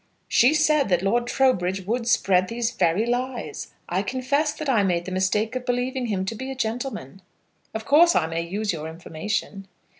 "She said that Lord Trowbridge would spread these very lies. I confess that I made the mistake of believing him to be a gentleman. Of course I may use your information?"